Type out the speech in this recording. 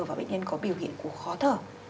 và bệnh nhân có biểu hiện của khó thờ